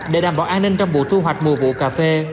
để đảm bảo an ninh trong vụ thu hoạch mùa vụ cà phê